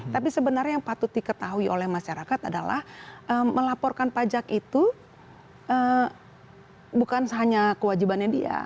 tapi sebenarnya yang patut diketahui oleh masyarakat adalah melaporkan pajak itu bukan hanya kewajibannya dia